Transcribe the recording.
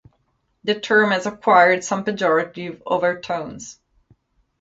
The term has acquired some pejorative overtones.